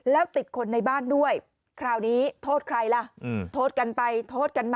แล้วติดคนในบ้านด้วยคราวนี้โทษใครล่ะโทษกันไปโทษกันมา